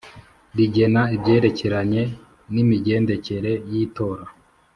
Rigena ibyerekeranye n’imigendekere y’itora